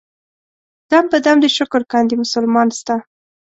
دم په دم دې شکر کاندي مسلمان ستا.